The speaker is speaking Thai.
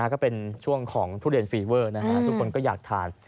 ก็เป็นช่วงของทุเรียนฟีเวอร์ทุกคนก็อยากทาน